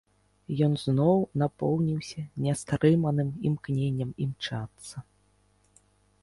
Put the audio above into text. Ён зноў напоўніўся нястрыманым імкненнем імчацца.